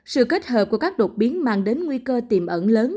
sự kết hợp của các đột biến mang đến nguy cơ tiềm ẩn lớn